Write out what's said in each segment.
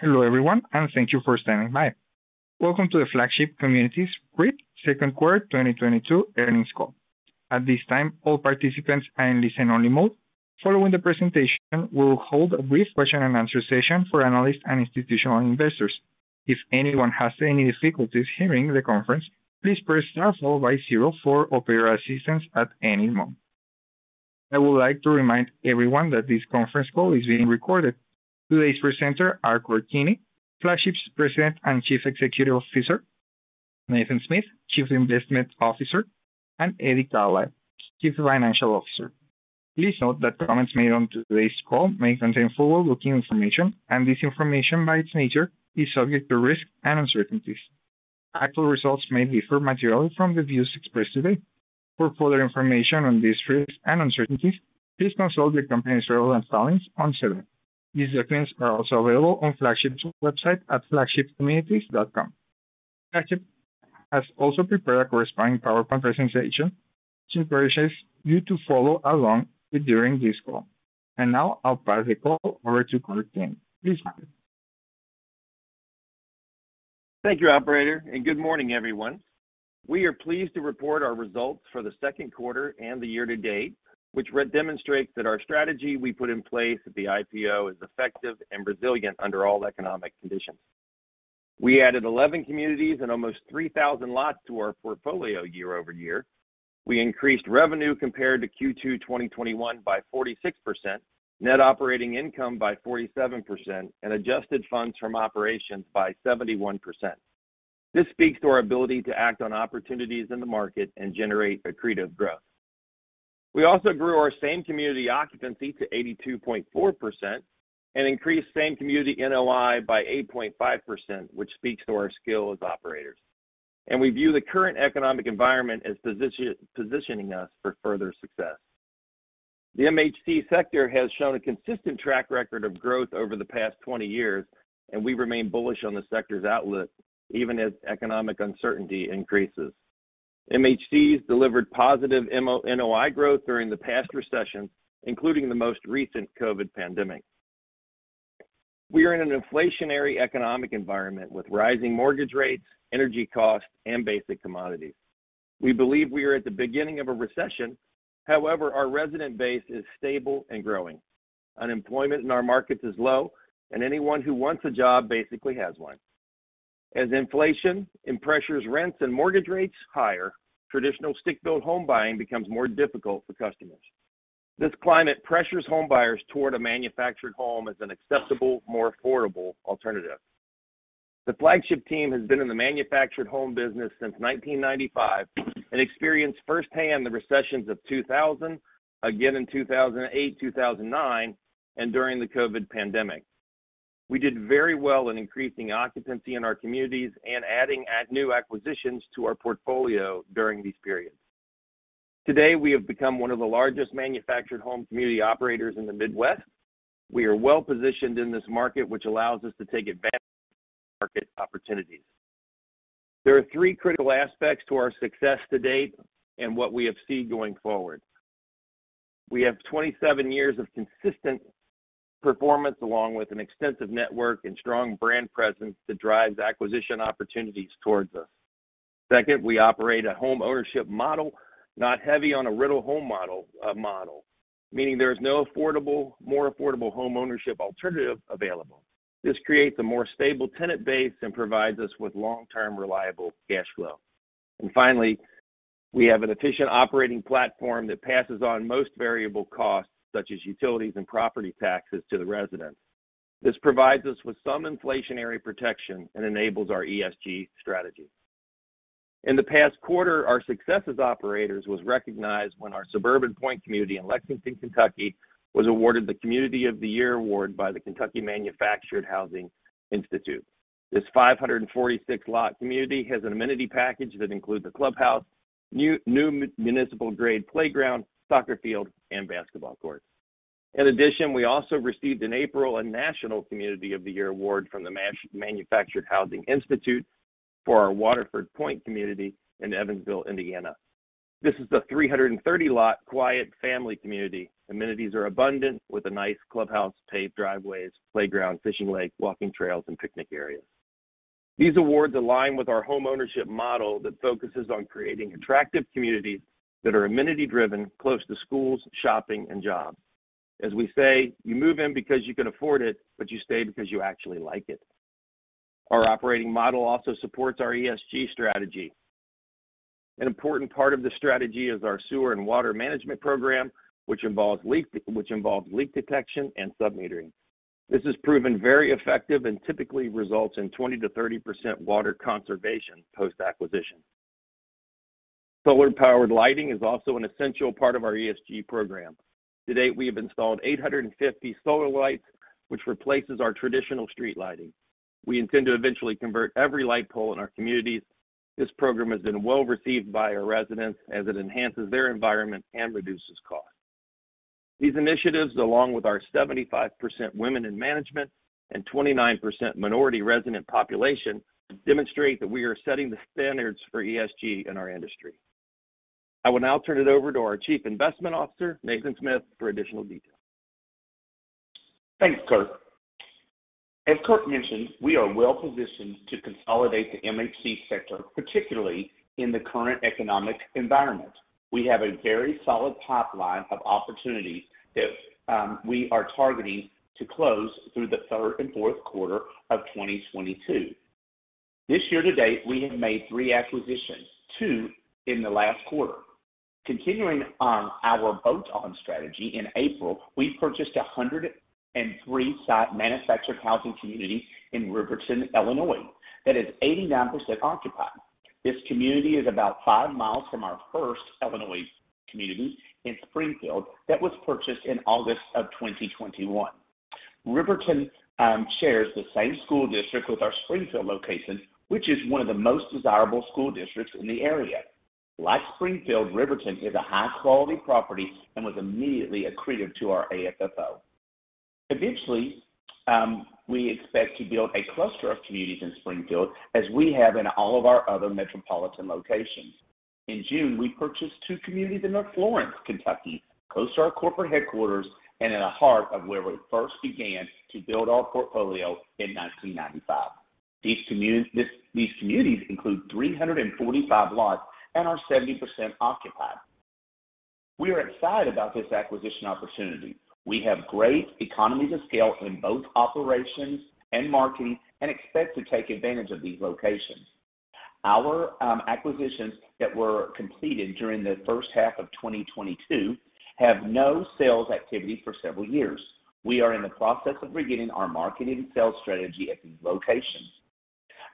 Hello, everyone, and thank you for standing by. Welcome to the Flagship Communities Real Estate Investment Trust Q2 2022 Earnings Call. At this time, all participants are in listen-only mode. Following the presentation, we will hold a brief question-and-answer session for analysts and institutional investors. If anyone has any difficulties hearing the conference, please press star followed by zero for operator assistance at any moment. I would like to remind everyone that this conference call is being recorded. Today's presenters are Kurt Keeney, Flagship's President and Chief Executive Officer, Nathan Smith, Chief Investment Officer, and Eddie Carlisle, Chief Financial Officer. Please note that comments made on today's call may contain forward-looking information, and this information, by its nature, is subject to risks and uncertainties. Actual results may differ materially from the views expressed today. For further information on these risks and uncertainties, please consult the company's relevant filings on SEDAR. These documents are also available on Flagship's website at flagshipcommunities.com. Flagship has also prepared a corresponding PowerPoint presentation to encourage you to follow along with during this call. Now I'll pass the call over to Kurt Keeney. Please proceed. Thank you, operator, and good morning, everyone. We are pleased to report our results for the Q2 and the year to date, which re-demonstrates that our strategy we put in place at the IPO is effective and resilient under all economic conditions. We added 11 communities and almost 3,000 lots to our portfolio year over year. We increased revenue compared to Q2 2021 by 46%, net operating income by 47%, and adjusted funds from operations by 71%. This speaks to our ability to act on opportunities in the market and generate accretive growth. We also grew our same community occupancy to 82.4% and increased same community NOI by 8.5%, which speaks to our skill as operators. We view the current economic environment as positioning us for further success. The MHC sector has shown a consistent track record of growth over the past 20 years, and we remain bullish on the sector's outlook even as economic uncertainty increases. MHCs delivered positive MoM NOI growth during the past recession, including the most recent COVID pandemic. We are in an inflationary economic environment with rising mortgage rates, energy costs, and basic commodities. We believe we are at the beginning of a recession. However, our resident base is stable and growing. Unemployment in our markets is low, and anyone who wants a job basically has one. As inflation pressures rents and mortgage rates higher, traditional stick-built home buying becomes more difficult for customers. This climate pressures home buyers toward a manufactured home as an acceptable, more affordable alternative. The Flagship team has been in the manufactured home business since 1995 and experienced firsthand the recessions of 2000, again in 2008, 2009, and during the COVID pandemic. We did very well in increasing occupancy in our communities and adding new acquisitions to our portfolio during these periods. Today, we have become one of the largest manufactured home community operators in the Midwest. We are well-positioned in this market, which allows us to take advantage of market opportunities. There are three critical aspects to our success to date and what we have seen going forward. We have 27 years of consistent performance along with an extensive network and strong brand presence that drives acquisition opportunities towards us. Second, we operate a homeownership model, not heavy on a rental home model, meaning there is no affordable, more affordable homeownership alternative available. This creates a more stable tenant base and provides us with long-term reliable cash flow. Finally, we have an efficient operating platform that passes on most variable costs such as utilities and property taxes to the residents. This provides us with some inflationary protection and enables our ESG strategy. In the past quarter, our success as operators was recognized when our Suburban Point community in Lexington, Kentucky, was awarded the Community of the Year award by the Kentucky Manufactured Housing Institute. This 546-lot community has an amenity package that includes a clubhouse, new municipal-grade playground, soccer field, and basketball court. In addition, we also received in April a National Community of the Year award from the Manufactured Housing Institute for our Waterford Pointe community in Evansville, Indiana. This is the 330-lot quiet family community. Amenities are abundant with a nice clubhouse, paved driveways, playground, fishing lake, walking trails, and picnic areas. These awards align with our homeownership model that focuses on creating attractive communities that are amenity-driven, close to schools, shopping, and jobs. As we say, you move in because you can afford it, but you stay because you actually like it. Our operating model also supports our ESG strategy. An important part of the strategy is our sewer and water management program, which involves leak detection and submetering. This has proven very effective and typically results in 20%-30% water conservation post-acquisition. Solar-powered lighting is also an essential part of our ESG program. To date, we have installed 850 solar lights, which replaces our traditional street lighting. We intend to eventually convert every light pole in our communities. This program has been well-received by our residents as it enhances their environment and reduces costs. These initiatives, along with our 75% women in management and 29% minority resident population, demonstrate that we are setting the standards for ESG in our industry. I will now turn it over to our Chief Investment Officer, Nathan Smith, for additional details. Thanks, Kurt. As Kurt mentioned, we are well-positioned to consolidate the MHC sector, particularly in the current economic environment. We have a very solid pipeline of opportunities that we are targeting to close through the third and Q4 of 2022. This year to date, we have made three acquisitions, two in the last quarter. Continuing on our bolt-on strategy, in April, we purchased a 103-site manufactured housing community in Riverton, Illinois, that is 89% occupied. This community is about five miles from our first Illinois community in Springfield that was purchased in August of 2021. Riverton shares the same school district with our Springfield location, which is one of the most desirable school districts in the area. Like Springfield, Riverton is a high-quality property and was immediately accretive to our AFFO. Eventually, we expect to build a cluster of communities in Springfield as we have in all of our other metropolitan locations. In June, we purchased two communities in North Florence, Kentucky, close to our corporate headquarters and in the heart of where we first began to build our portfolio in 1995. These communities include 345 lots and are 70% occupied. We are excited about this acquisition opportunity. We have great economies of scale in both operations and marketing and expect to take advantage of these locations. Our acquisitions that were completed during the H1 of 2022 have no sales activity for several years. We are in the process of beginning our marketing and sales strategy at these locations.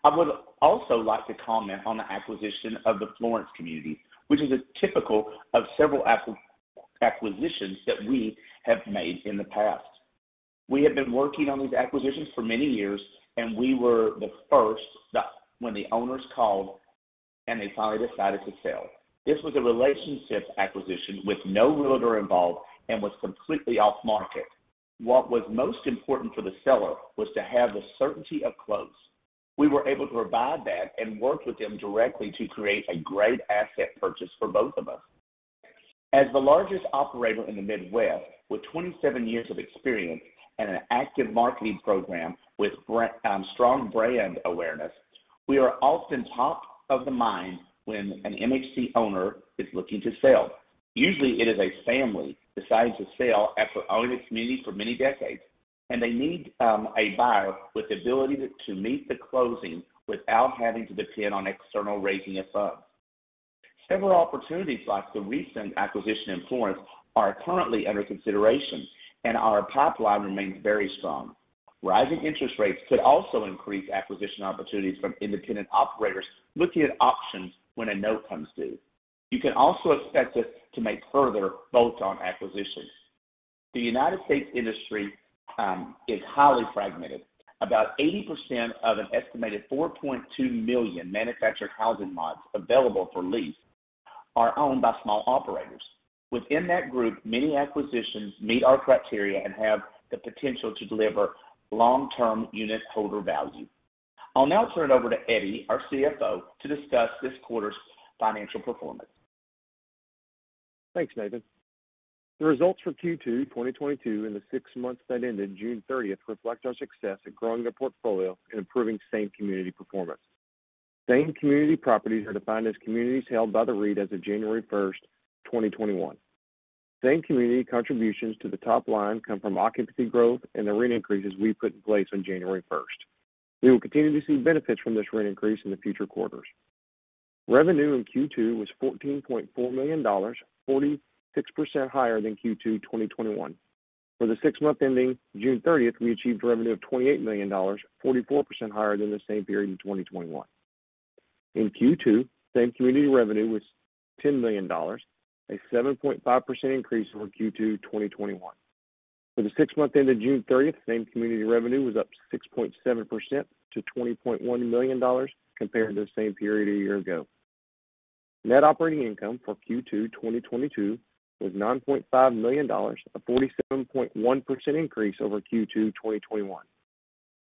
I would also like to comment on the acquisition of the Florence community, which is typical of several acquisitions that we have made in the past. We have been working on these acquisitions for many years, and we were the first when the owners called, and they finally decided to sell. This was a relationship acquisition with no realtor involved and was completely off-market. What was most important for the seller was to have the certainty of close. We were able to provide that and work with them directly to create a great asset purchase for both of us. As the largest operator in the Midwest with 27 years of experience and an active marketing program with strong brand awareness, we are often top of the mind when an MHC owner is looking to sell. Usually, it is a family deciding to sell after owning a community for many decades, and they need a buyer with the ability to meet the closing without having to depend on external raising of funds. Several opportunities like the recent acquisition in Florence are currently under consideration, and our pipeline remains very strong. Rising interest rates could also increase acquisition opportunities from independent operators looking at options when a note comes due. You can also expect us to make further bolt-on acquisitions. The United States industry is highly fragmented. About 80% of an estimated 4.2 million manufactured housing pads available for lease are owned by small operators. Within that group, many acquisitions meet our criteria and have the potential to deliver long-term unitholder value. I'll now turn it over to Eddie, our CFO, to discuss this quarter's financial performance. Thanks, Nathan. The results for Q2 2022 and the six months that ended June 30th reflect our success in growing the portfolio and improving same community performance. Same community properties are defined as communities held by the REIT as of January 1st, 2021. Same community contributions to the top line come from occupancy growth and the rent increases we put in place on January 1st. We will continue to see benefits from this rent increase in the future quarters. Revenue in Q2 was $14.4 million, 46% higher than Q2 2021. For the six month ending June 30th, we achieved revenue of $28 million, 44% higher than the same period in 2021. In Q2, same community revenue was $10 million, a 7.5% increase over Q2 2021. For the six months ended June 30th, same community revenue was up 6.7% to $20.1 million compared to the same period a year ago. Net operating income for Q2 2022 was $9.5 million, a 47.1% increase over Q2 2021.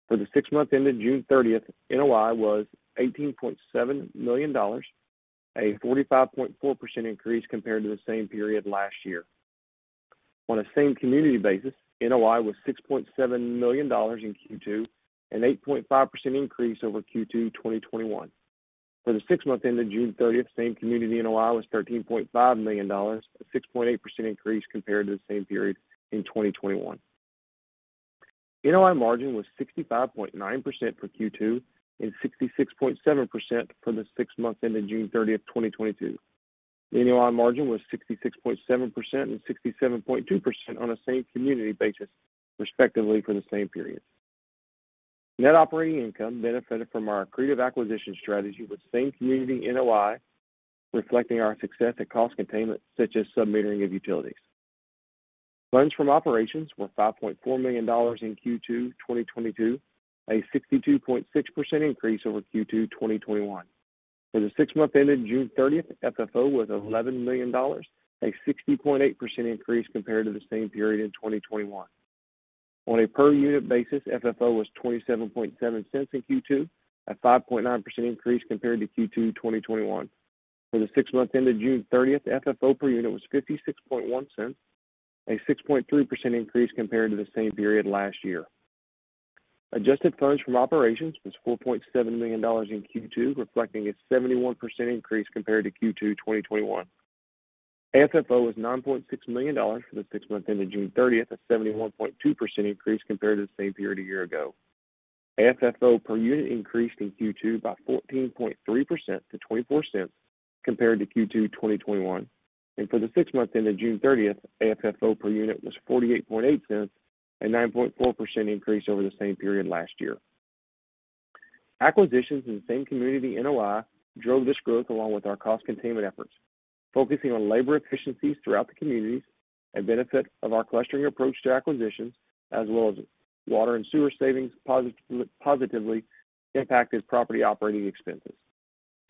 For the six months ended June 30, NOI was $18.7 million, a 45.4% increase compared to the same period last year. On a same community basis, NOI was $6.7 million in Q2, an 8.5% increase over Q2 2021. For the six months ended June 30th, same community NOI was $13.5 million, a 6.8% increase compared to the same period in 2021. NOI margin was 65.9% for Q2 and 66.7% for the six months ended June 30th, 2022. The NOI margin was 66.7% and 67.2% on a same community basis, respectively for the same period. Net operating income benefited from our accretive acquisition strategy, with same community NOI reflecting our success at cost containment, such as submetering of utilities. Funds from operations were $5.4 million in Q2 2022, a 62.6% increase over Q2 2021. For the six months ended June 30, FFO was $11 million, a 60.8% increase compared to the same period in 2021. On a per unit basis, FFO was $0.277 in Q2, a 5.9% increase compared to Q2 2021. For the six months ended June 30th, FFO per unit was $0.561, a 6.3% increase compared to the same period last year. Adjusted funds from operations was $4.7 million in Q2, reflecting a 71% increase compared to Q2 2021. AFFO was $9.6 million for the six months ended June 30th, a 71.2% increase compared to the same period a year ago. AFFO per unit increased in Q2 by 14.3% to $0.24 compared to Q2 2021. For the six months ended June 30th, AFFO per unit was $0.488, a 9.4% increase over the same period last year. Acquisitions in the same-community NOI drove this growth along with our cost containment efforts. Focusing on labor efficiencies throughout the communities, a benefit of our clustering approach to acquisitions, as well as water and sewer savings positively impacted property operating expenses.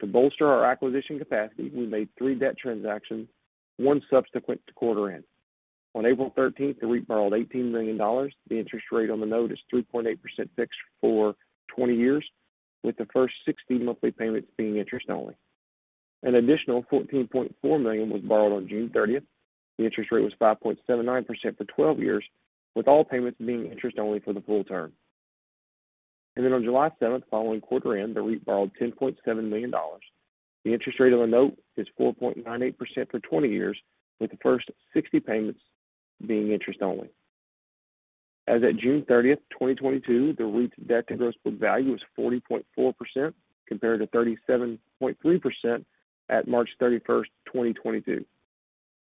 To bolster our acquisition capacity, we made three debt transactions, one subsequent to quarter end. On April 13th, the REIT borrowed $18 million. The interest rate on the note is 3.8% fixed for 20 years, with the first 60 monthly payments being interest only. An additional $14.4 million was borrowed on June 30th. The interest rate was 5.79% for 12 years, with all payments being interest only for the full term. On July seventh, following quarter end, the REIT borrowed $10.7 million. The interest rate on the note is 4.98% for 20 years, with the first 60 payments being interest only. As at June 30th, 2022, the REIT's debt to gross book value is 40.4% compared to 37.3% at March 31st, 2022.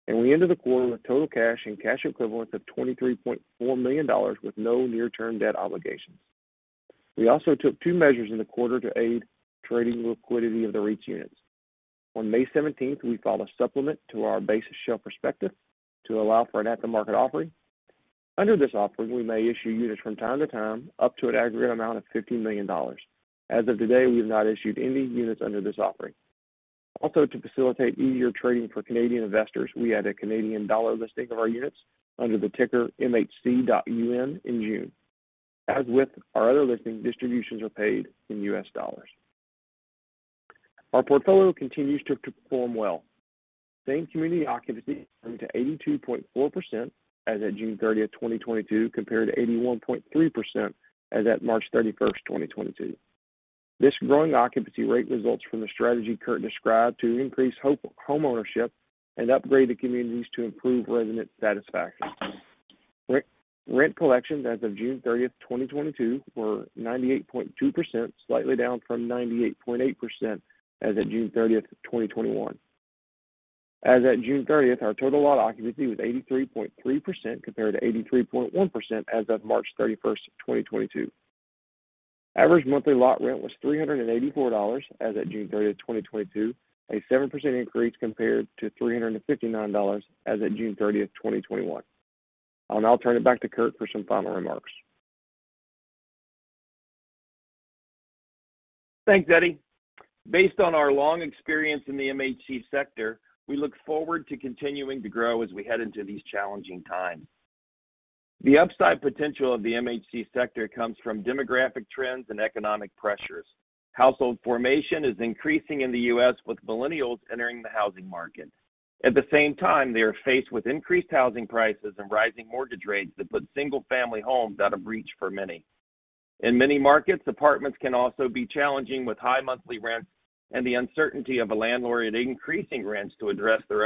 We ended the quarter with total cash and cash equivalents of $23.4 million with no near-term debt obligations. We also took two measures in the quarter to aid trading liquidity of the REIT's units. On May 17th, we filed a supplement to our base shelf prospectus to allow for an at-the-market offering. Under this offering, we may issue units from time to time up to an aggregate amount of $50 million. As of today, we have not issued any units under this offering. Also, to facilitate easier trading for Canadian investors, we had a Canadian dollar listing of our units under the ticker MHC.UN in June. As with our other listing, distributions are paid in U.S. dollars. Our portfolio continues to perform well. Same community occupancy is up to 82.4% as at June 30, 2022, compared to 81.3% as at March 31st, 2022. This growing occupancy rate results from the strategy Kurt described to increase homeownership and upgrade the communities to improve resident satisfaction. Rent collections as of June 30th, 2022, were 98.2%, slightly down from 98.8% as at June 30th, 2021. As at June 30, our total lot occupancy was 83.3% compared to 83.1% as of March 31st, 2022. Average monthly lot rent was $384 as at June 30th, 2022, a 7% increase compared to $359 as at June 30th, 2021. I'll now turn it back to Kurt for some final remarks. Thanks, Eddie. Based on our long experience in the MHC sector, we look forward to continuing to grow as we head into these challenging times. The upside potential of the MHC sector comes from demographic trends and economic pressures. Household formation is increasing in the U.S., with millennials entering the housing market. At the same time, they are faced with increased housing prices and rising mortgage rates that put single-family homes out of reach for many. In many markets, apartments can also be challenging, with high monthly rents and the uncertainty of a landlord increasing rents to address their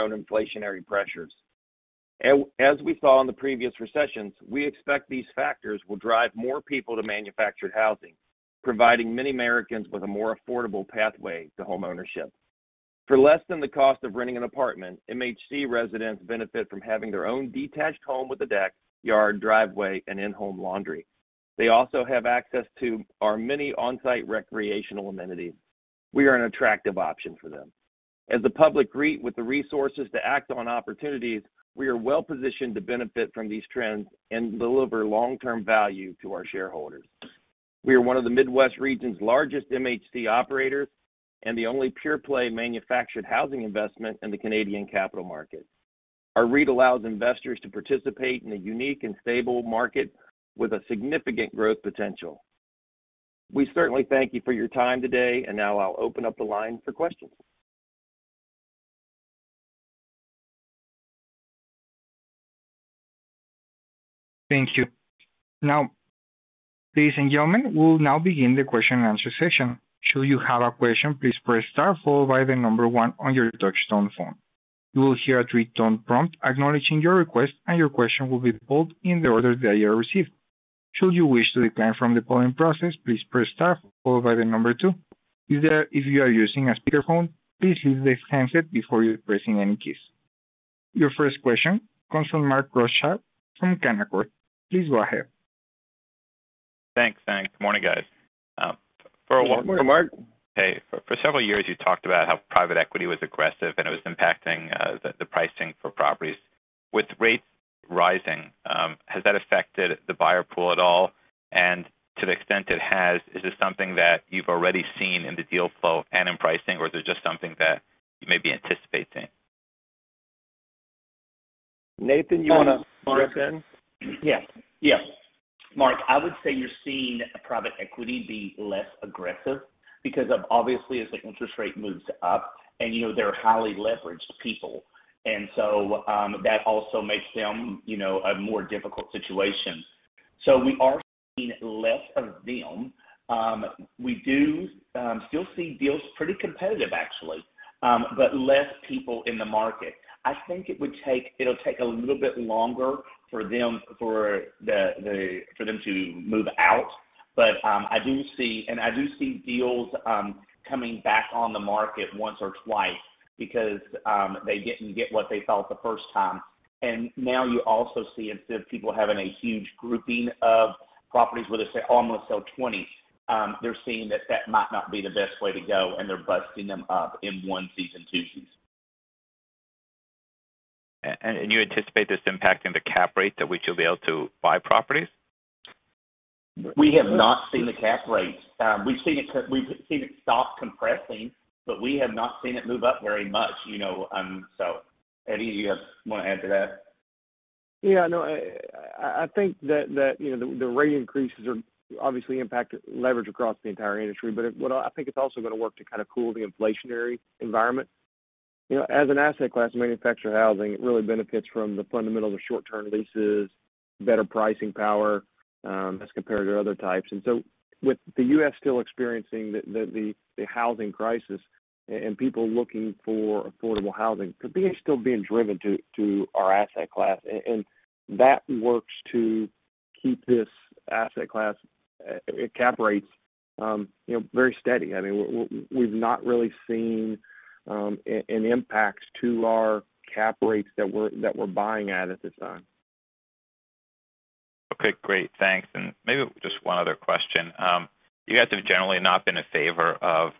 own inflationary pressures. We saw in the previous recessions, we expect these factors will drive more people to manufactured housing, providing many Americans with a more affordable pathway to homeownership. For less than the cost of renting an apartment, MHC residents benefit from having their own detached home with a deck, yard, driveway, and in-home laundry. They also have access to our many on-site recreational amenities. We are an attractive option for them. As the public REIT with the resources to act on opportunities, we are well positioned to benefit from these trends and deliver long-term value to our shareholders. We are one of the Midwest region's largest MHC operators and the only pure-play manufactured housing investment in the Canadian capital market. Our REIT allows investors to participate in a unique and stable market with a significant growth potential. We certainly thank you for your time today, and now I'll open up the line for questions. Thank you. Ladies and gentlemen, we'll now begin the question and answer session. Should you have a question, please press star followed by the number one on your touch-tone phone. You will hear a three-tone prompt acknowledging your request, and your question will be pulled in the order that you received. Should you wish to decline from the polling process, please press star followed by the number two. If you are using a speakerphone, please use the handset before pressing any keys. Your first question comes from Mark Rothschild from Canaccord. Please go ahead. Thanks. Morning, guys. Good morning, Mark. Hey. For several years, you talked about how private equity was aggressive, and it was impacting the pricing for properties. With rates rising, has that affected the buyer pool at all? To the extent it has, is this something that you've already seen in the deal flow and in pricing, or is it just something that you may be anticipating? Nathan, you want to jump in? Yeah, yeah. Mark, I would say you're seeing private equity be less aggressive because of obviously as the interest rate moves up and, you know, they're highly leveraged people. That also makes them, you know, a more difficult situation. We are seeing less of them. We do still see deals pretty competitive actually, but less people in the market. It'll take a little bit longer for them to move out. I do see deals coming back on the market once or twice because they didn't get what they felt the first time. Now you also see instead of people having a huge grouping of properties where they say, "Oh, I'm going to sell 20," they're seeing that might not be the best way to go, and they're busting them up in onesies and twosies. You anticipate this impacting the cap rate at which you'll be able to buy properties? We have not seen the cap rate. We've seen it stop compressing, but we have not seen it move up very much, you know. Eddie, want to add to that? I think that, you know, the rate increases are obviously impact leverage across the entire industry. What I think it's also going to work to kind of cool the inflationary environment. You know, as an asset class manufactured housing, it really benefits from the fundamentals of short-term leases, better pricing power, as compared to other types. With the U.S. still experiencing the housing crisis and people looking for affordable housing, could be still being driven to our asset class. That works to keep this asset class cap rates, you know, very steady. I mean, we've not really seen an impact to our cap rates that we're buying at this time. Okay, great. Thanks. Maybe just one other question. You guys have generally not been in favor of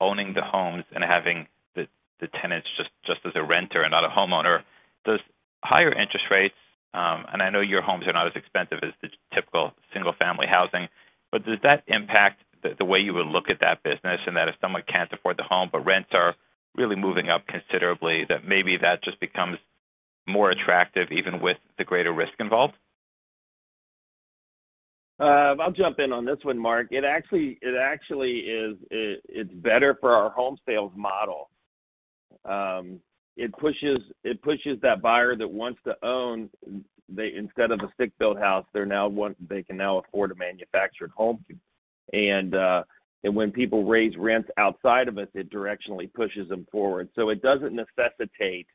owning the homes and having the tenants just as a renter and not a homeowner. Does higher interest rates, and I know your homes are not as expensive as the typical single-family housing, but does that impact the way you would look at that business and that if someone can't afford the home, but rents are really moving up considerably, that maybe that just becomes more attractive even with the greater risk involved? I'll jump in on this one, Mark. It actually is better for our home sales model. It pushes that buyer that wants to own, instead of a stick-built house, they can now afford a manufactured home. When people raise rents outside of us, it directionally pushes them forward. It doesn't necessitate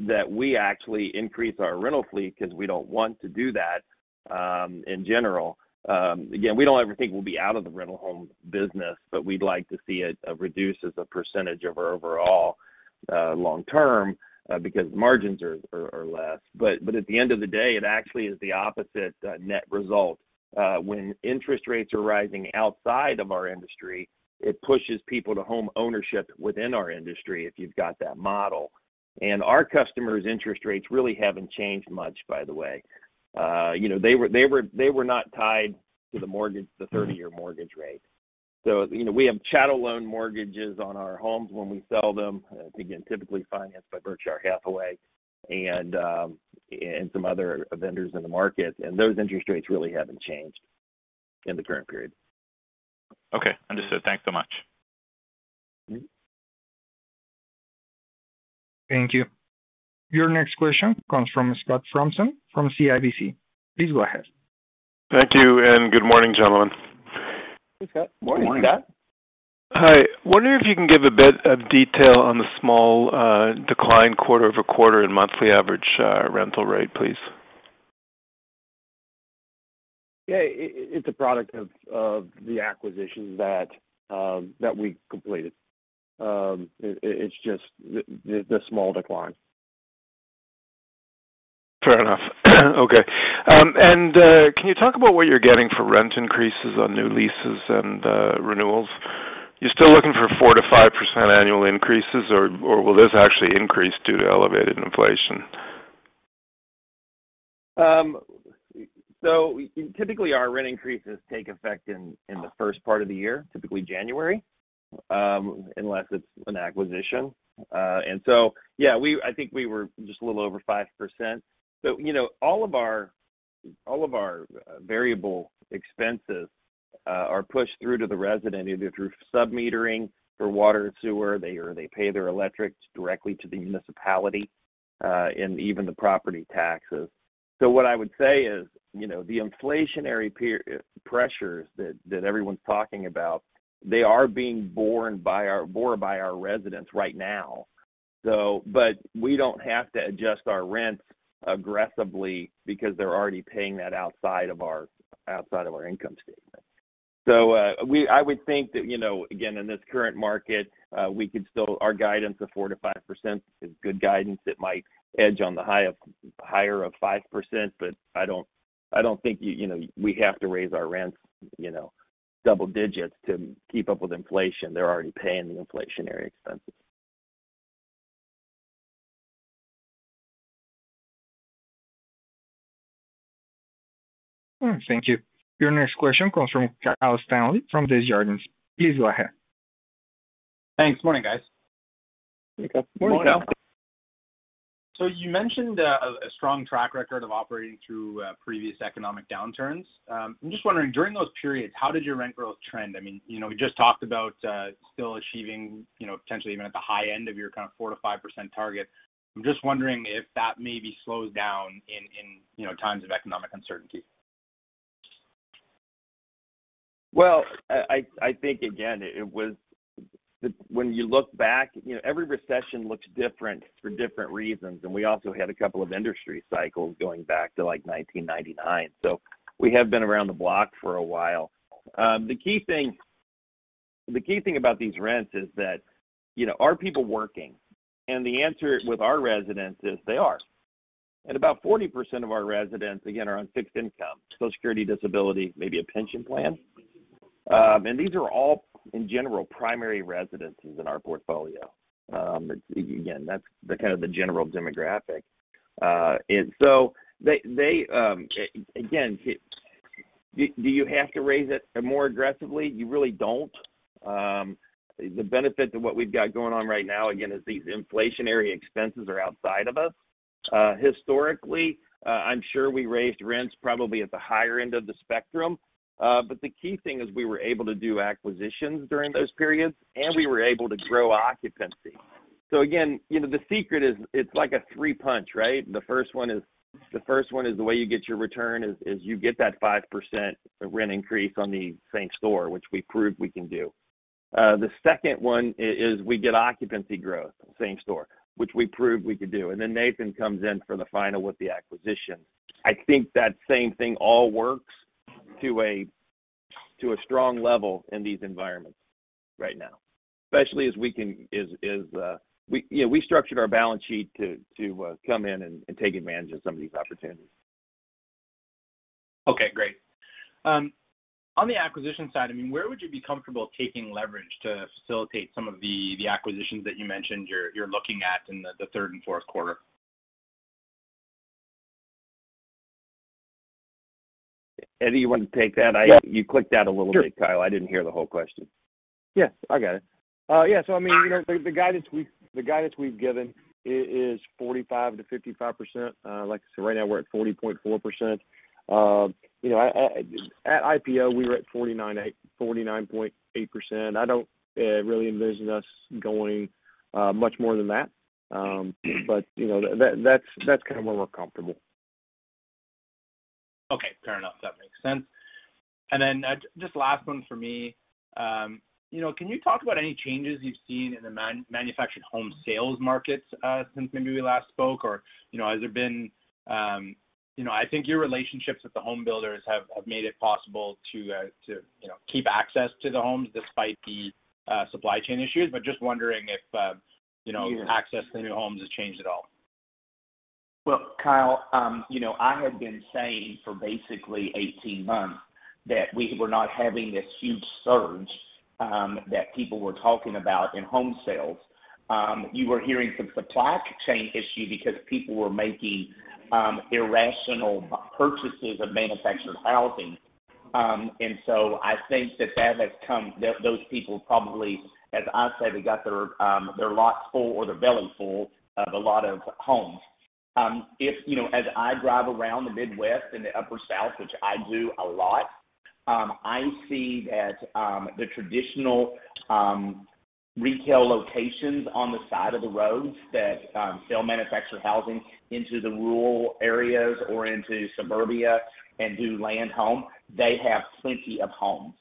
that we actually increase our rental fleet 'cause we don't want to do that in general. Again, we don't ever think we'll be out of the rental home business, but we'd like to see it reduce as a percentage of our overall long term because margins are less. But at the end of the day, it actually is the opposite net result. When interest rates are rising outside of our industry, it pushes people to homeownership within our industry if you've got that model. Our customers' interest rates really haven't changed much, by the way. You know, they were not tied to the mortgage, the 30-year mortgage rate. You know, we have chattel loan mortgages on our homes when we sell them, again, typically financed by Berkshire Hathaway and some other vendors in the market. Those interest rates really haven't changed in the current period. Okay, understood. Thanks so much. Mm-hmm. Thank you. Your next question comes from Scott Thompson from CIBC. Please go ahead. Thank you, and good morning, gentlemen. Hey, Scott. Morning, Scott. Hi. Wondering if you can give a bit of detail on the small, decline quarter-over-quarter in monthly average, rental rate, please? Yeah, it's a product of the acquisitions that we completed. It's just the small decline. Fair enough. Okay. Can you talk about what you're getting for rent increases on new leases and renewals? You still looking for 4%-5% annual increases or will this actually increase due to elevated inflation? Typically our rent increases take effect in the first part of the year, typically January, unless it's an acquisition. Yeah, I think we were just a little over 5%. You know, all of our variable expenses are pushed through to the resident, either through sub-metering for water and sewer. They pay their electrics directly to the municipality, and even the property taxes. What I would say is, you know, the inflationary pressures that everyone's talking about, they are being borne by our residents right now. But we don't have to adjust our rents aggressively because they're already paying that outside of our income statement. I would think that, you know, again, in this current market, we could still. Our guidance of 4%-5% is good guidance. It might be on the higher end of 5%, but I don't think, you know, we have to raise our rents, you know, double digits to keep up with inflation. They're already paying the inflationary expenses. Thank you. Your next question comes from Kyle Stanley from Desjardins. Please go ahead. Thanks. Morning, guys. Good morning, Kyle. Morning, Kyle. You mentioned a strong track record of operating through previous economic downturns. I'm just wondering, during those periods, how did your rent growth trend? I mean, you know, we just talked about still achieving, you know, potentially even at the high end of your kind of 4%-5% target. I'm just wondering if that maybe slows down in you know, times of economic uncertainty. Well, I think again, it was. When you look back, you know, every recession looks different for different reasons, and we also had a couple of industry cycles going back to, like, 1999. We have been around the block for a while. The key thing about these rents is that, you know, are people working? The answer with our residents is they are. About 40% of our residents, again, are on fixed income, Social Security Disability, maybe a pension plan. These are all, in general, primary residences in our portfolio. Again, that's the kind of the general demographic. Do you have to raise it more aggressively? You really don't. The benefit to what we've got going on right now, again, is these inflationary expenses are outside of us. Historically, I'm sure we raised rents probably at the higher end of the spectrum. The key thing is we were able to do acquisitions during those periods, and we were able to grow occupancy. Again, you know, the secret is it's like a three-punch, right? The first one is the way you get your return is you get that 5% rent increase on the same store, which we proved we can do. The second one is we get occupancy growth, same store, which we proved we could do. Then Nathan comes in for the final with the acquisition. I think that same thing all works to a strong level in these environments right now, especially. You know, we structured our balance sheet to come in and take advantage of some of these opportunities. Okay, great. On the acquisition side, I mean, where would you be comfortable taking leverage to facilitate some of the acquisitions that you mentioned you're looking at in the third and Q4? Eddie, you want to take that? Yeah. You clicked out a little bit, Kyle. Sure. I didn't hear the whole question. Yeah, I got it. Yeah, so I mean, you know, the guidance we've given is 45%-55%. Like I said, right now we're at 40.4%. You know, at IPO, we were at 49.8%. I don't really envision us going much more than that. But you know, that's kind of where we're comfortable. Okay, fair enough. That makes sense. Then just last one for me. You know, can you talk about any changes you've seen in the manufactured home sales markets since maybe we last spoke? Or, you know, has there been. You know, I think your relationships with the home builders have made it possible to you know, keep access to the homes despite the supply chain issues. Just wondering if you know, access to new homes has changed at all. Well, Kyle, you know, I have been saying for basically 18 months that we were not having this huge surge that people were talking about in home sales. You were hearing some supply chain issue because people were making irrational purchases of manufactured housing. I think that those people probably, as I say, they got their lots full or their belly full of a lot of homes. If you know, as I drive around the Midwest and the Upper South, which I do a lot, I see that the traditional retail locations on the side of the roads that sell manufactured housing into the rural areas or into suburbia and do land home, they have plenty of homes.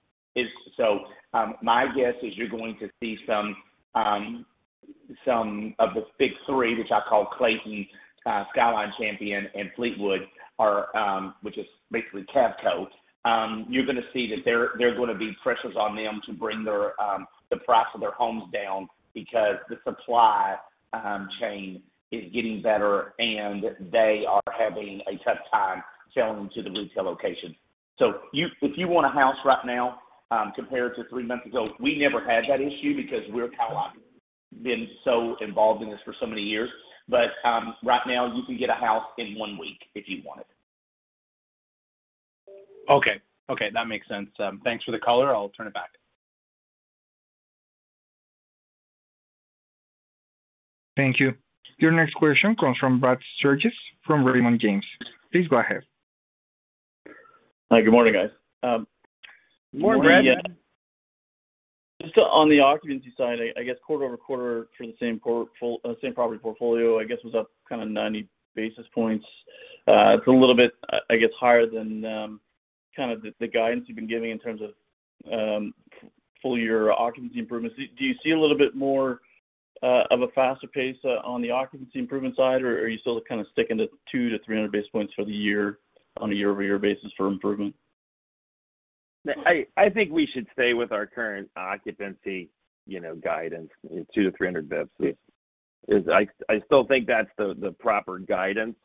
My guess is you're going to see some of the big three, which I call Clayton, Skyline Champion, and Fleetwood, which is basically Cavco. You're gonna see that there. There's gonna be pressures on them to bring the price of their homes down because the supply chain is getting better, and they are having a tough time selling to the retail locations. If you want a house right now, compared to three months ago, we never had that issue because we're kind of like been so involved in this for so many years. Right now you can get a house in one week if you want it. Okay, that makes sense. Thanks for the color. I'll turn it back. Thank you. Your next question comes from Brad Sturges from Raymond James. Please go ahead. Hi. Good morning, guys. Good morning, Brad. Just on the occupancy side, I guess quarter-over-quarter for the same property portfolio, I guess was up kind of 90 basis points. It's a little bit, I guess, higher than kind of the guidance you've been giving in terms of full year occupancy improvements. Do you see a little bit more of a faster pace on the occupancy improvement side, or are you still kind of sticking to 200-300 basis points for the year on a year-over-year basis for improvement? I think we should stay with our current occupancy, you know, guidance, 200-300 bps. I still think that's the proper guidance.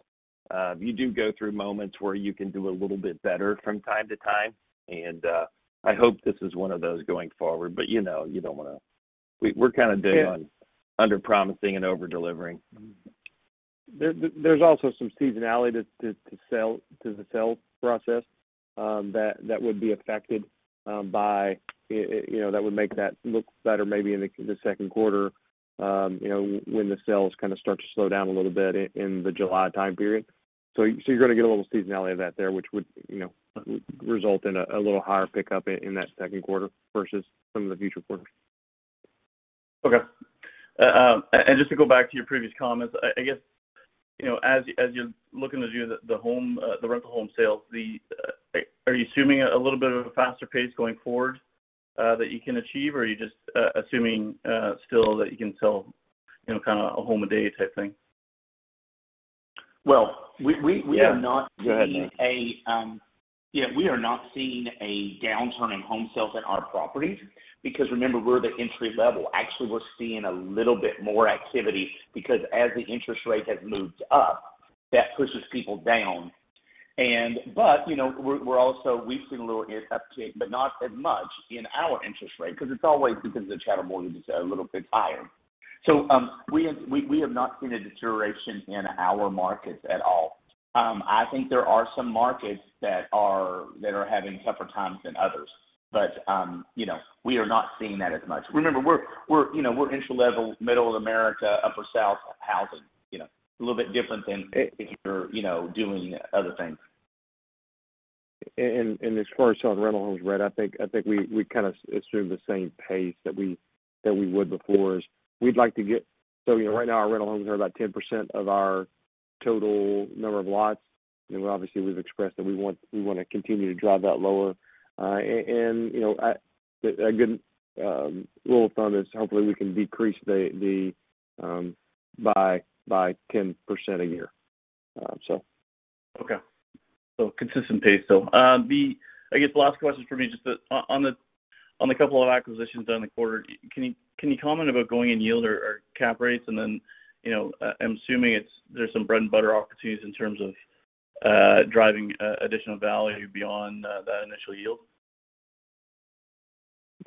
You do go through moments where you can do a little bit better from time to time, and I hope this is one of those going forward. You know, you don't wanna. We're kind of big on underpromising and over-delivering. There's also some seasonality to the sales process that would be affected by, you know, that would make that look better maybe in the Q2, you know, when the sales kind of start to slow down a little bit in the July time period. You're gonna get a little seasonality of that there, which would, you know, result in a little higher pickup in that Q2 versus some of the future quarters. Just to go back to your previous comments, I guess, you know, as you're looking to do the rental home sales, are you assuming a little bit of a faster pace going forward that you can achieve, or are you just assuming still that you can sell, you know, kind of a home a day type thing? Well, we. Yeah. We are not seeing a. Go ahead, Nate. Yeah, we are not seeing a downturn in home sales at our properties because remember, we're the entry level. Actually, we're seeing a little bit more activity because as the interest rate has moved up, that pushes people down. You know, we're also. We've seen a little uptick, but not as much in our interest rate because it's always because the chattel mortgages are a little bit higher. We have not seen a deterioration in our markets at all. I think there are some markets that are having tougher times than others. You know, we are not seeing that as much. Remember, you know, we're entry level, middle America, upper South housing, you know. A little bit different than if you're, you know, doing other things. As far as selling rental homes, Brad, I think we kind of assume the same pace that we would before is we'd like to get. You know, right now our rental homes are about 10% of our total number of lots. You know, obviously we've expressed that we want, we wanna continue to drive that lower. And you know, a good rule of thumb is hopefully we can decrease the by 10% a year. Okay. Consistent pace still. I guess the last question for me, just on the couple of acquisitions in the quarter. Can you comment about going in yield or cap rates? You know, I'm assuming there are some bread and butter opportunities in terms of driving additional value beyond that initial yield.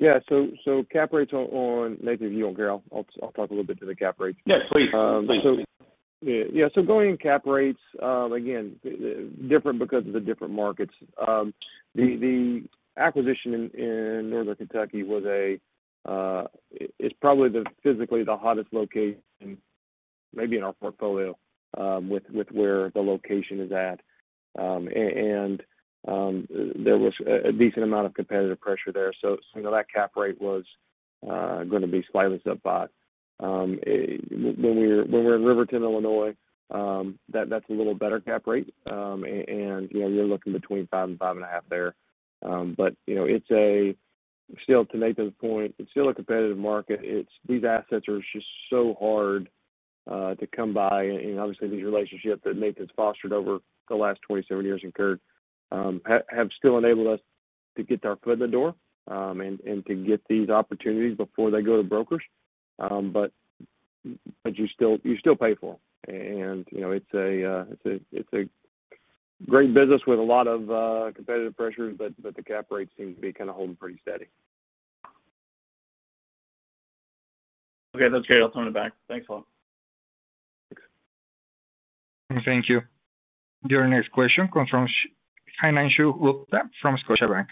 Yeah. Cap rates on Nathan, if you don't care, I'll talk a little bit to the cap rates. Yeah, please. Please. Going in cap rates, again, different because of the different markets. The acquisition in Northern Kentucky was. It's probably the physically hottest location maybe in our portfolio, with where the location is at. And there was a decent amount of competitive pressure there. You know, that cap rate was gonna be slightly subsidized. When we're in Riverton, Illinois, that's a little better cap rate. And you know, you're looking between 5% and 5.5% there. You know, still to Nathan's point, it's still a competitive market. These assets are just so hard to come by. Obviously, these relationships that Nathan's fostered over the last 27 years have still enabled us to get our foot in the door and to get these opportunities before they go to brokers. But you still pay for them. You know, it's a great business with a lot of competitive pressures, but the cap rates seem to be kind of holding pretty steady. Okay. That's great. I'll turn it back. Thanks a lot. Thanks. Thank you. Your next question comes from Himanshu Gupta from Scotiabank.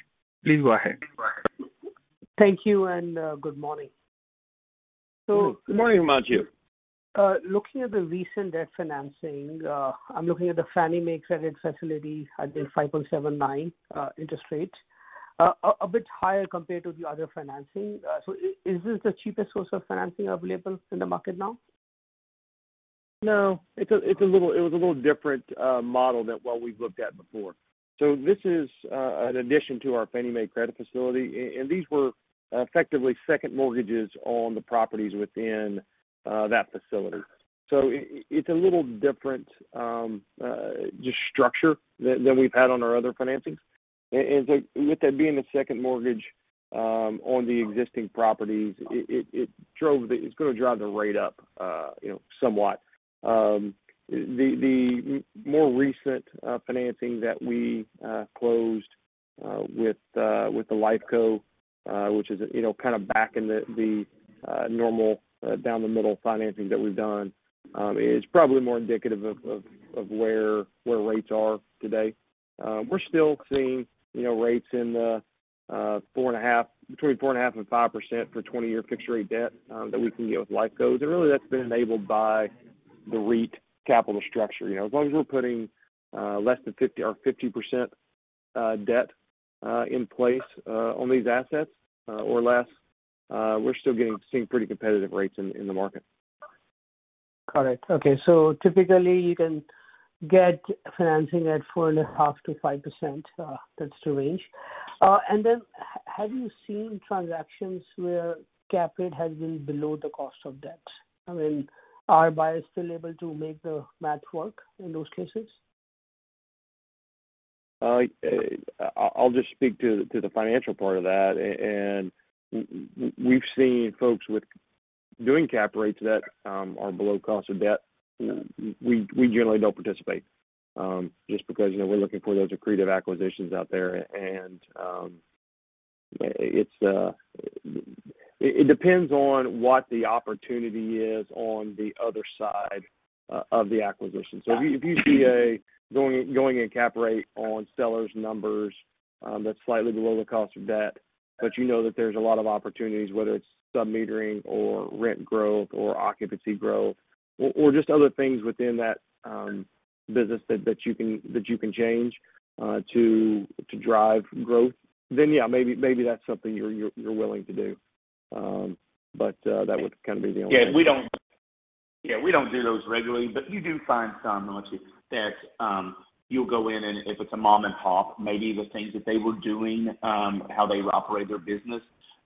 Please go ahead. Thank you, and good morning. Good morning, Himanshu. Looking at the recent debt financing, I'm looking at the Fannie Mae credit facility at the 5.79% interest rate, a bit higher compared to the other financing. Is this the cheapest source of financing available in the market now? No. It was a little different model than what we've looked at before. This is an addition to our Fannie Mae credit facility, and these were effectively second mortgages on the properties within that facility. It's a little different structure than we've had on our other financings. With that being a second mortgage on the existing properties, it's gonna drive the rate up, you know, somewhat. The more recent financing that we closed with the Life Co, which is, you know, kind of back in the normal down the middle financing that we've done, is probably more indicative of where rates are today. We're still seeing, you know, rates between 4.5% and 5% for 20-year fixed rate debt that we can get with Life Co. Really that's been enabled by the REIT capital structure. You know, as long as we're putting less than 50% debt in place on these assets or less, we're still seeing pretty competitive rates in the market. Got it. Okay. Typically you can get financing at 4.5%-5%, that's the range. Have you seen transactions where cap rate has been below the cost of debt? I mean, are buyers still able to make the math work in those cases? I'll just speak to the financial part of that. We've seen folks doing cap rates that are below cost of debt. We generally don't participate just because, you know, we're looking for those accretive acquisitions out there. It depends on what the opportunity is on the other side of the acquisition. If you see a going in cap rate on seller's numbers that's slightly below the cost of debt, but you know that there's a lot of opportunities, whether it's sub-metering or rent growth or occupancy growth or just other things within that business that you can change to drive growth, then yeah, maybe that's something you're willing to do. That would kind of be the only. Yeah. We don't do those regularly, but you do find some, don't you? That, you'll go in, and if it's a mom and pop, maybe the things that they were doing, how they operate their business,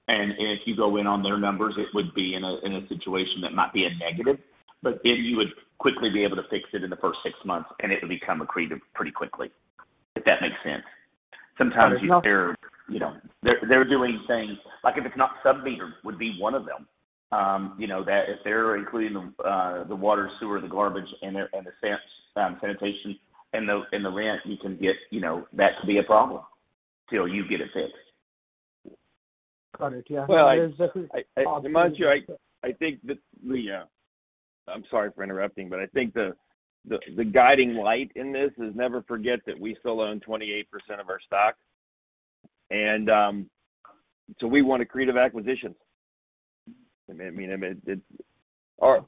and if you go in on their numbers, it would be in a situation that might be a negative, but then you would quickly be able to fix it in the first six months, and it would become accretive pretty quickly, if that makes sense. Sometimes they're doing things like if it's not sub-meter would be one of them. You know, that if they're including the water, sewer, the garbage and the sanitation and the rent, you can get, you know, that could be a problem till you get it fixed. Got it. Yeah. Well, Himanshu, I'm sorry for interrupting, but I think the guiding light in this is never forget that we still own 28% of our stock, and so we want accretive acquisitions. I mean, it's our.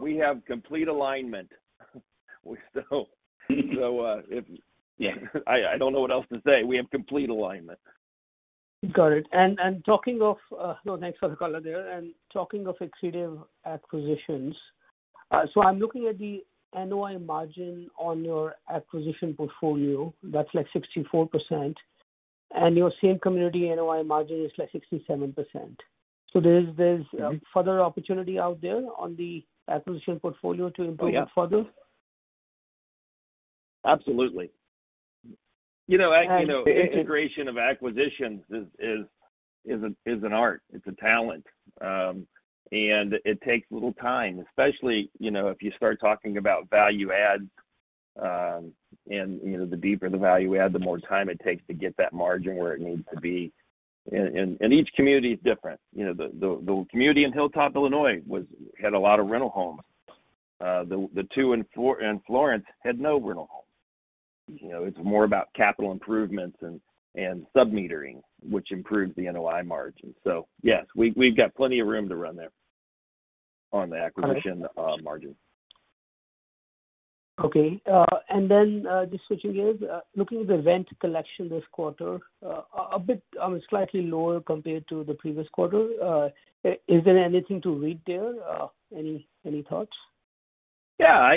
We have complete alignment. We still. If. Yeah. I don't know what else to say. We have complete alignment. Got it. Thanks for the color there. Talking of accretive acquisitions, I'm looking at the NOI margin on your acquisition portfolio. That's like 64%. Your same community NOI margin is like 67%. There's further opportunity out there on the acquisition portfolio to improve it further? Oh, yeah. Absolutely. You know, integration of acquisitions is an art. It's a talent. It takes a little time, especially, you know, if you start talking about value adds, and, you know, the deeper the value add, the more time it takes to get that margin where it needs to be. Each community is different. You know, the community in Riverton, Illinois was had a lot of rental homes. The two in Florence had no rental homes. You know, it's more about capital improvements and sub-metering, which improves the NOI margin. Yes, we've got plenty of room to run there on the acquisition margin. Okay. Just switching gears, looking at the rent collection this quarter, a bit slightly lower compared to the previous quarter. Is there anything to read there? Any thoughts? Yeah.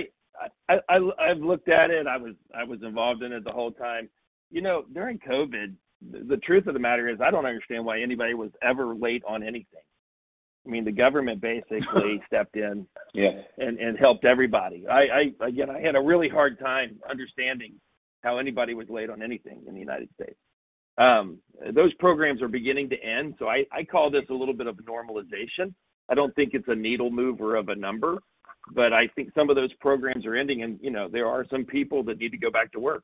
I've looked at it. I was involved in it the whole time. You know, during COVID, the truth of the matter is I don't understand why anybody was ever late on anything. I mean, the government basically stepped in. Yeah. Helped everybody. Again, I had a really hard time understanding how anybody was late on anything in the United States. Those programs are beginning to end, so I call this a little bit of normalization. I don't think it's a needle mover of a number, but I think some of those programs are ending and, you know, there are some people that need to go back to work.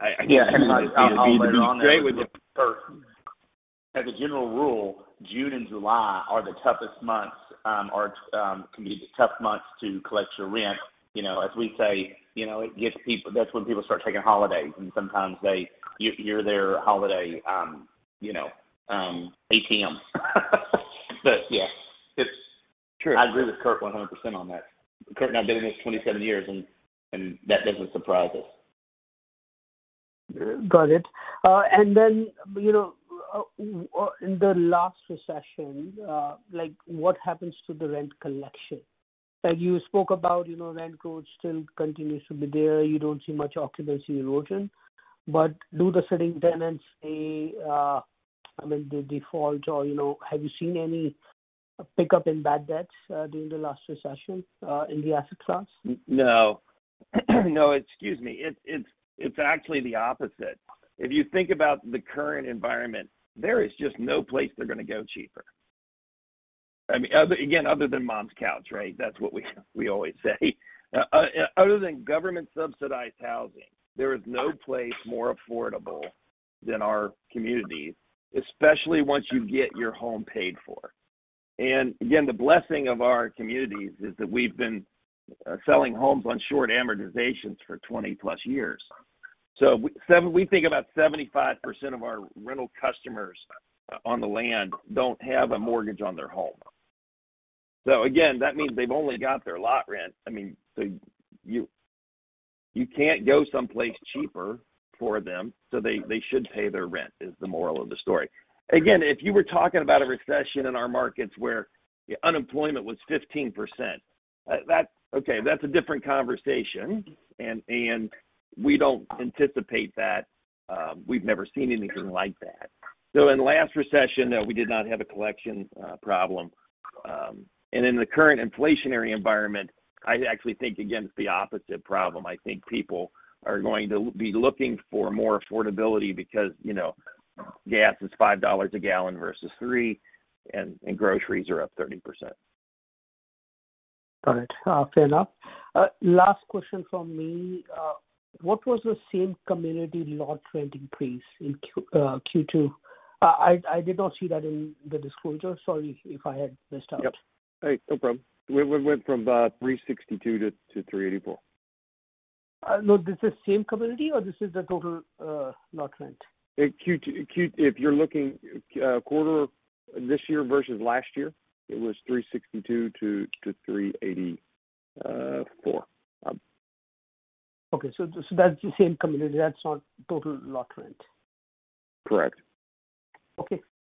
I think later on first. As a general rule, June and July can be the toughest months to collect your rent. You know, as we say, you know, it gets people. That's when people start taking holidays, and sometimes you're their holiday, you know, ATM. True. I agree with Kurt 100% on that. Kurt and I've been in this 27 years, and that doesn't surprise us. Got it. You know, in the last recession, like, what happens to the rent collection? Like, you spoke about, you know, rent growth still continues to be there. You don't see much occupancy erosion. Do the sitting tenants, they, I mean, they default or, you know? Have you seen any pickup in bad debts during the last recession in the asset class? No, excuse me. It's actually the opposite. If you think about the current environment, there is just no place they're gonna go cheaper. I mean, other. Again, other than mom's couch, right? That's what we always say. Other than government-subsidized housing, there is no place more affordable than our communities, especially once you get your home paid for. Again, the blessing of our communities is that we've been selling homes on short amortizations for 20-plus years. We think about 75% of our rental customers on the land don't have a mortgage on their home. Again, that means they've only got their lot rent. I mean, so you can't go someplace cheaper for them, so they should pay their rent, is the moral of the story. If you were talking about a recession in our markets where unemployment was 15%, that's a different conversation and we don't anticipate that. We've never seen anything like that. In the last recession, no, we did not have a collection problem. And in the current inflationary environment, I actually think, again, it's the opposite problem. I think people are going to be looking for more affordability because, you know, gas is $5 a gallon versus $3 and groceries are up 30%. All right. Fair enough. Last question from me. What was the same community lot rent increase in Q2? I did not see that in the disclosure. Sorry if I had missed out. Yep. Hey, no problem. We went from about $362 to $384. No, this is same community or this is the total, lot rent? In Q2, if you're looking quarter this year versus last year, it was 362-384. Okay. That's the same community. That's not total lot rent. Correct.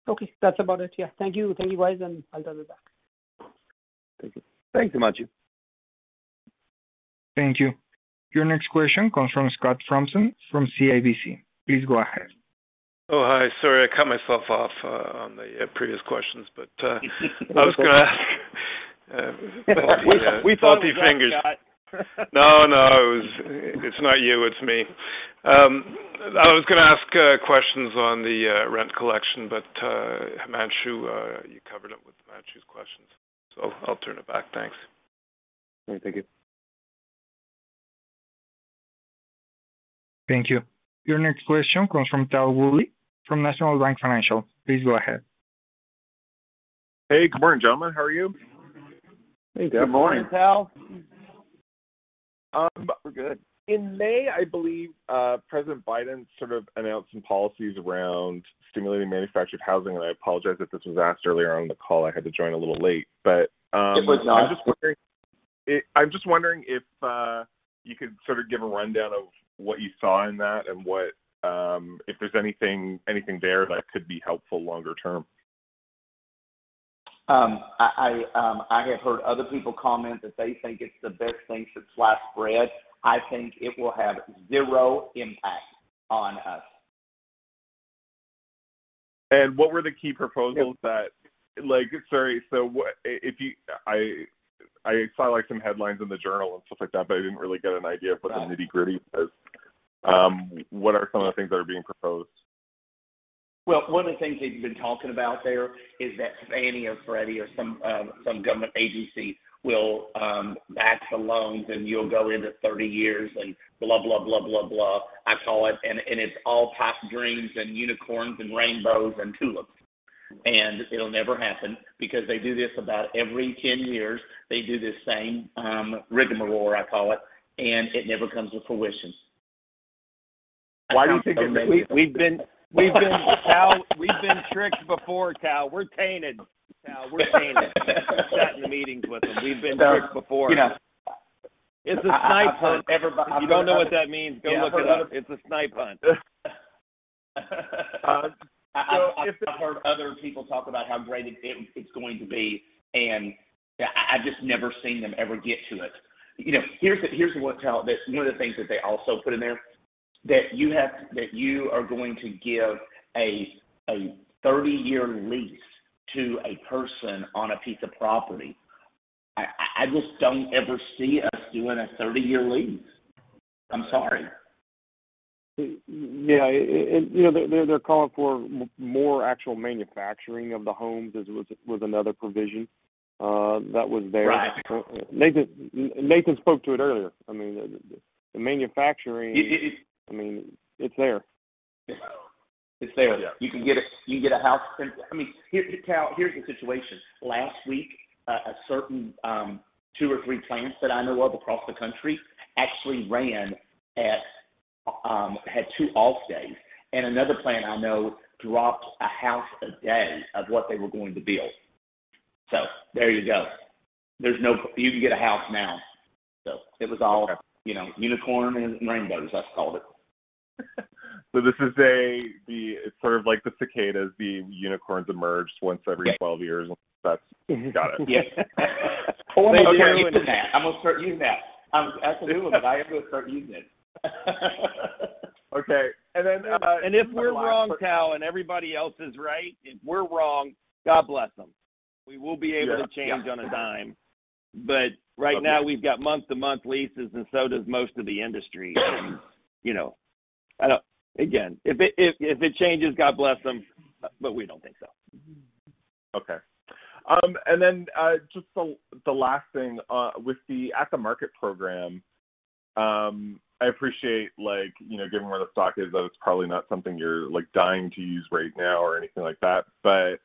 Okay, that's about it. Yeah. Thank you, guys, and I'll turn it back. Thank you. Thanks, Himanshu. Thank you. Your next question comes from Scott Thompson from CIBC. Please go ahead. Oh, hi. Sorry, I cut myself off on the previous questions, but I was gonna ask. We thought it was us, Scott. Fat fingers. No, no, it was. It's not you, it's me. I was gonna ask questions on the rent collection, but Himanshu, you covered it with Himanshu's questions, so I'll turn it back. Thanks. All right. Thank you. Thank you. Your next question comes from Tal Woolley from National Bank Financial. Please go ahead. Hey, good morning, gentlemen. How are you? Hey, Tal. Good morning, Tal. We're good. In May, I believe, President Biden sort of announced some policies around stimulating manufactured housing, and I apologize if this was asked earlier on the call. I had to join a little late. It was not. I'm just wondering if you could sort of give a rundown of what you saw in that and what if there's anything there that could be helpful longer term. I have heard other people comment that they think it's the best thing since sliced bread. I think it will have zero impact on us. What were the key proposals? I saw, like, some headlines in the journal and stuff like that, but I didn't really get an idea of what the nitty-gritty is. What are some of the things that are being proposed? Well, one of the things they've been talking about there is that Fannie Mae or Freddie Mac or some government agency will back the loans, and you'll go into 30 years and blah, blah, blah. I call it and it's all pipe dreams and unicorns and rainbows and tulips, and it'll never happen because they do this about every 10 years. They do this same rigmarole, I call it, and it never comes to fruition. Why do you think that. We've been tricked before, Tal. We're tainted, Tal. We've sat in meetings with them. We've been tricked before. You know. It's a snipe hunt, everybody. If you don't know what that means, go look it up. It's a snipe hunt. I've heard other people talk about how great it's going to be, and I've just never seen them ever get to it. You know, here's what, Tal. One of the things that they also put in there, that you are going to give a 30-year lease to a person on a piece of property. I just don't ever see us doing a 30-year lease. I'm sorry. Yeah. You know, they're calling for more actual manufacturing of the homes as was another provision that was there. Right. Nathan spoke to it earlier. I mean, the manufacturing It. I mean, it's there. It's there. Yeah. You can get a house printed. I mean, here's the situation, Tal. Last week, a certain two or three plants that I know of across the country actually had two off days. Another plant I know dropped a house a day of what they were going to build. There you go. You can get a house now. It was all, you know, unicorn and rainbows, I call it. It's sort of like the cicadas, the unicorns emerge once every 12 years. Right. Got it. Yes. Pull in the calendar. I'm gonna start using that. Absolutely, I am gonna start using it. Okay. If we're wrong, Tal, and everybody else is right, if we're wrong, God bless them. Yeah. We will be able to change on a dime, but right now we've got month-to-month leases, and so does most of the industry. You know, I don't. Again, if it changes, God bless them, but we don't think so. Okay. Just the last thing with the at-the-market program. I appreciate like, you know, given where the stock is that it's probably not something you're like dying to use right now or anything like that, but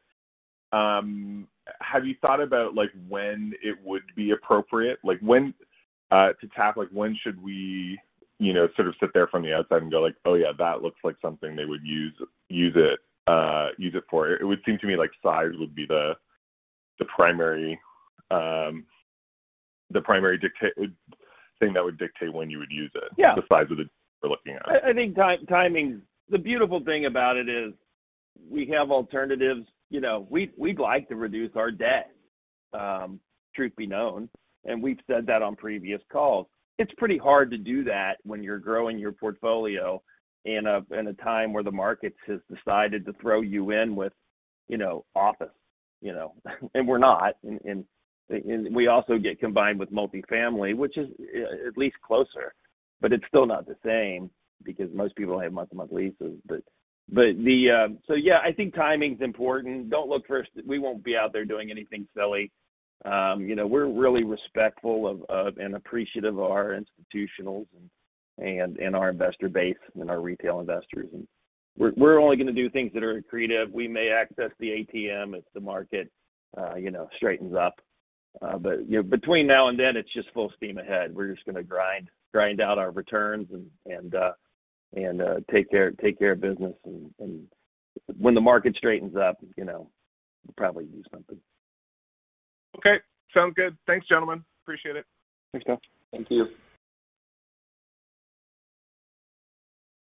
have you thought about like when it would be appropriate? Like, when to tap, like when should we, you know, sort of sit there from the outside and go like, "Oh, yeah, that looks like something they would use it for." It would seem to me like size would be the primary thing that would dictate when you would use it. Yeah. The size of it we're looking at. I think timing. The beautiful thing about it is we have alternatives. You know, we'd like to reduce our debt, truth be known, and we've said that on previous calls. It's pretty hard to do that when you're growing your portfolio in a time where the market has decided to throw you in with, you know, office, you know. We're not. We also get combined with multifamily, which is at least closer, but it's still not the same because most people have month-to-month leases. Yeah, I think timing's important. Don't look for. We won't be out there doing anything silly. You know, we're really respectful of and appreciative of our institutionals and our investor base and our retail investors. We're only gonna do things that are accretive. We may access the ATM if the market, you know, straightens up. You know, between now and then, it's just full steam ahead. We're just gonna grind out our returns and take care of business and when the market straightens up, you know, we'll probably do something. Okay. Sounds good. Thanks, gentlemen. Appreciate it. Thanks, Tal. Thank you.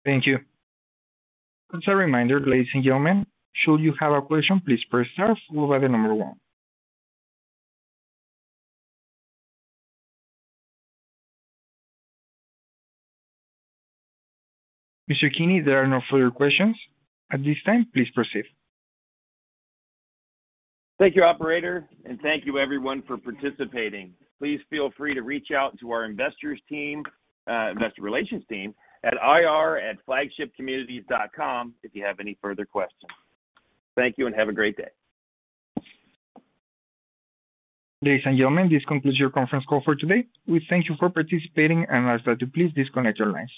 Thank you. Just a reminder, ladies and gentlemen, should you have a question, please press star followed by the number one. Mr. Keeney, there are no further questions at this time. Please proceed. Thank you, operator, and thank you everyone for participating. Please feel free to reach out to our investors team, investor relations team at ir@flagshipcommunities.com if you have any further questions. Thank you and have a great day. Ladies and gentlemen, this concludes your conference call for today. We thank you for participating and ask that you please disconnect your lines.